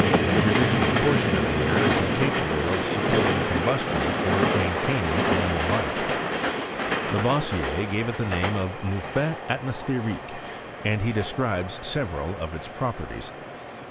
The residual portion of the air is incapable of sup porting combustion or maintaining animal life. Ia " T gave it the name of mouffette almospheriquMy and he describes several of its properties.